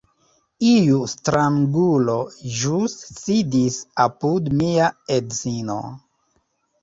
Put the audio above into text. Iu strangulo ĵus sidis apud mia edzino